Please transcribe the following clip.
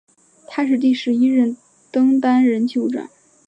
他是第十一任登丹人酋长。